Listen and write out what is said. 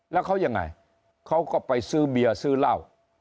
แล้วเขายังไงเขาก็ไปซื้อเบียร์ซื้อเหล้า